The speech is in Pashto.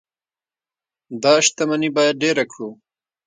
دا شتمني باید ډیره کړو.